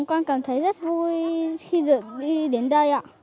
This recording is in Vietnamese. con cảm thấy rất vui khi được đi đến đây ạ